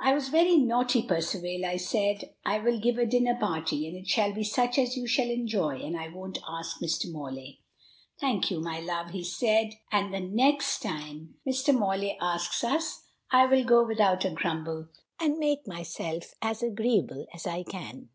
"I was very naughty, Percivale," I said. "I will give a dinner party, and it shall be such as you shall enjoy, and I won't ask Mr. Morley." "Thank you, my love," he said; "and the next time Mr. Morley asks us I will go without a grumble, and make myself as agreeable as I can."